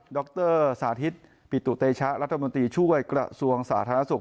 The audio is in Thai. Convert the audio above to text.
ดรสาธิตปิตุเตชะรัฐมนตรีช่วยกระทรวงสาธารณสุข